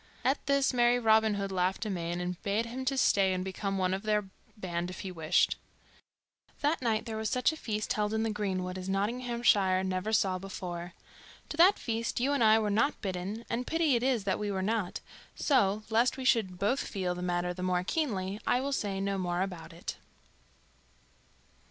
At this merry Robin Hood laughed amain, and bade him stay and become one of their band if he wished. That night there was such a feast held in the greenwood as Nottinghamshire never saw before. To that feast you and I were not bidden, and pity it is that we were not; so, lest we should both feel the matter the more keenly, I will say no more about it.